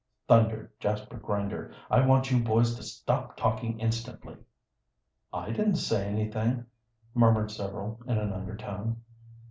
thundered Jasper Grinder. "I want you boys to stop talking instantly." "I didn't say anything," murmured several in an undertone.